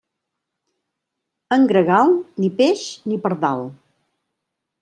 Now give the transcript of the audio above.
En gregal, ni peix ni pardal.